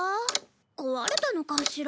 壊れたのかしら。